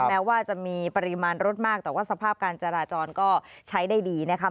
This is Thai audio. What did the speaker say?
แม้ว่าจะมีปริมาณรถมากแต่ว่าสภาพการจราจรก็ใช้ได้ดีนะคะ